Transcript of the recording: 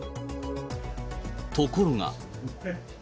ところが。